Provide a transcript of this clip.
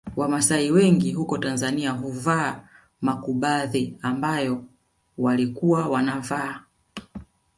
Wamasai wengi huko Tanzania huvaa makubadhi ambayo walikuwa wanavaa